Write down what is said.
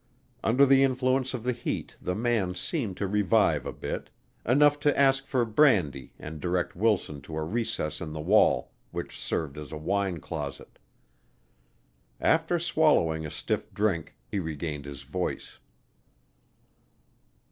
Under the influence of the heat the man seemed to revive a bit enough to ask for brandy and direct Wilson to a recess in the wall which served as a wine closet. After swallowing a stiff drink, he regained his voice.